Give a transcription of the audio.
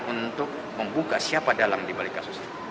untuk membuka siapa dalam dibalik kasus ini